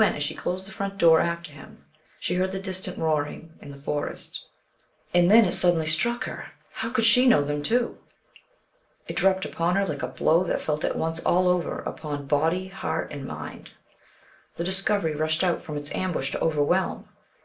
As she closed the front door after him she heard the distant roaring in the Forest. And then it suddenly struck her: How could she know them too? It dropped upon her like a blow that she felt at once all over, upon body, heart and mind. The discovery rushed out from its ambush to overwhelm.